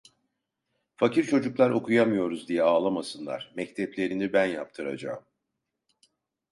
Fakir çocuklar okuyamıyoruz diye ağlamasınlar, mekteplerini ben yaptıracağım.